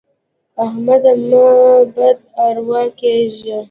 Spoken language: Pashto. احمده مه بد اروا کېږه.